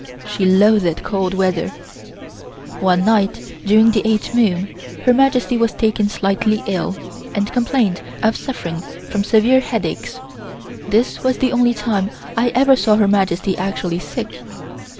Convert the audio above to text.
She loathed cold weather. One day, during the eighth moon, Her Majesty was taken slightly ill, and complained of suffering from severe headaches. This was the only time I ever saw Her Majesty actually sick.